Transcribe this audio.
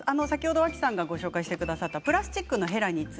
脇さんがご紹介してくださったプラスチックのへら